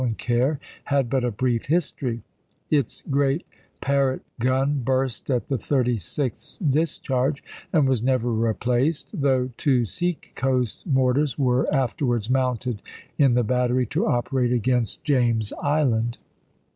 and care, had but a brief history ; its great Parrott gun burst at the thirty sixth discharge, and was never replaced, though two sea coast mortars were afterwards mounted in the battery, to operate against James Island.